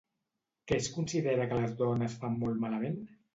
Què es considera que les dones fan molt malament?